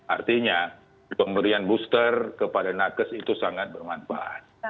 artinya pemberian booster kepada nakes itu sangat bermanfaat